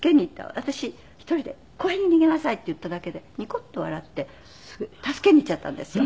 私一人で「公園に逃げなさい」って言っただけでニコッと笑って助けに行っちゃったんですよ。